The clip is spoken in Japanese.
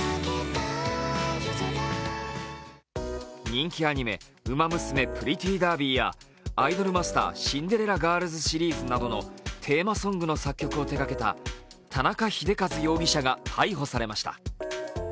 人気アニメ「ウマ娘プリティーダービー」や「アイドルマスターシンデレラガールズ」シリーズなどのテーマソングの作曲を手がけた田中秀和容疑者が逮捕されました。